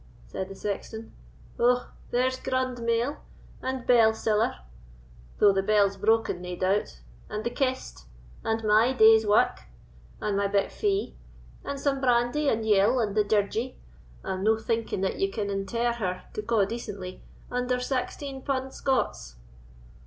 said the sexton; "ou, there's grundmail—and bell siller, though the bell's broken, nae doubt—and the kist—and my day's wark—and my bit fee—and some brandy and yill to the dirgie, I am no thinking that you can inter her, to ca' decently, under saxteen pund Scots."